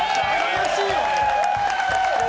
優しいよ！